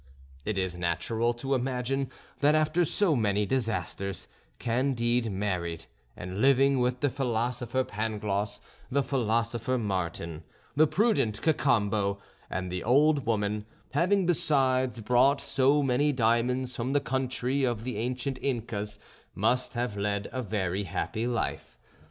It is natural to imagine that after so many disasters Candide married, and living with the philosopher Pangloss, the philosopher Martin, the prudent Cacambo, and the old woman, having besides brought so many diamonds from the country of the ancient Incas, must have led a very happy life.